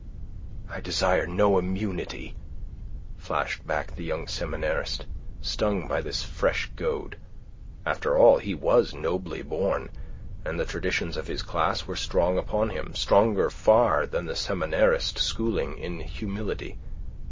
"I desire no immunity," flashed back the young seminarist, stung by this fresh goad. After all, he was nobly born, and the traditions of his class were strong upon him stronger far than the seminarist schooling in humility.